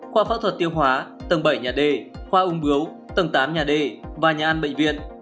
khoa phẫu thuật tiêu hóa tầng bảy nhà d khoa ung bướu tầng tám nhà d và nhà ăn bệnh viện